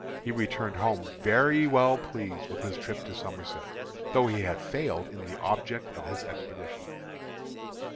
He returned home very well pleased with his trip to Somerset, though he had failed in the object of his expedition.